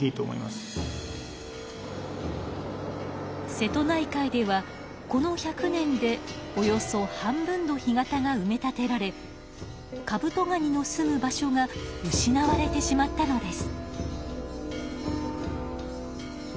瀬戸内海ではこの１００年でおよそ半分の干潟が埋め立てられカブトガニの住む場所が失われてしまったのです。